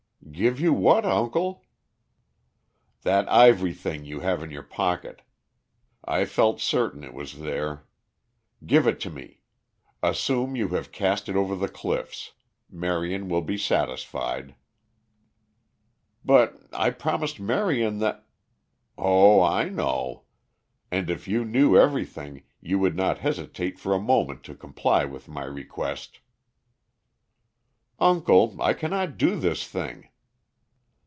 "Give you what, uncle?" "That ivory thing you have in your pocket. I felt certain it was there. Give it to me. Assume you have cast it over the cliffs. Marion will be satisfied." "But I promised Marion that " "Oh, I know. And if you knew everything, you would not hesitate for a moment to comply with my request." "Uncle, I cannot do this thing."